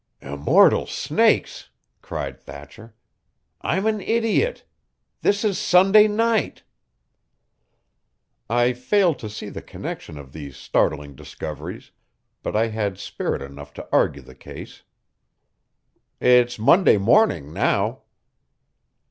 "Immortal snakes!" cried Thatcher. "I'm an idiot. This is Sunday night." I failed to see the connection of these startling discoveries, but I had spirit enough to argue the case. "It's Monday morning, now."